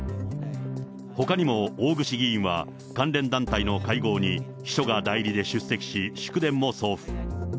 ほかにも大串議員は、関連団体の会合に秘書が代理で出席し、祝電も送付。